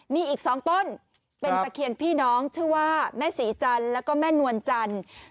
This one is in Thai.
มีอีก๒ต้นเป็นตะเคียนพี่น้องชื่อว่าแม่ศรีจันทร์แล้วก็แม่นวลจันทร์